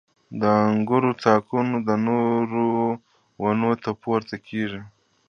• د انګورو تاکونه د نورو ونو ته پورته کېږي.